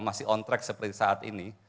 masih on track seperti saat ini